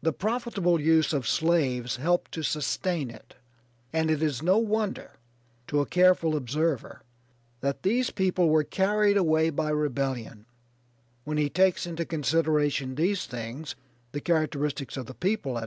The profitable use of slaves helped to sustain it, and it is no wonder, to a careful observer, that these people were carried away by rebellion, when he takes into consideration these things, the characteristics of the people, etc.